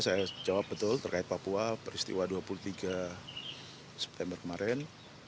saya jawab betul terkait papua peristiwa dua puluh tiga september kemarin